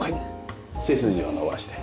背筋を伸ばして。